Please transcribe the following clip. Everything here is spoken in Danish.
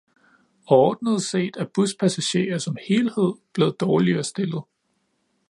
Overordnet set er buspassagerer som helhed blevet dårligere stillet.